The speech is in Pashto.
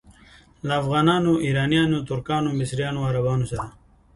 له افغانانو، ایرانیانو، ترکانو، مصریانو او عربانو سره.